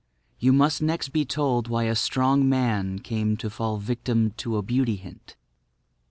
You must next be told why a strong man came to fall a victim to a Beauty Hint.